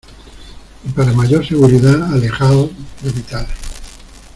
y para mayor seguridad, alejaos de metales